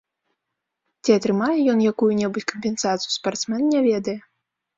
Ці атрымае ён якую-небудзь кампенсацыю, спартсмен не ведае.